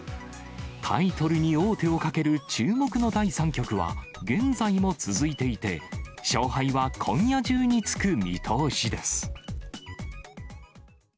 タイトルに王手をかける注目の第３局は、現在も続いていて、勝敗は今夜中につく見通しです。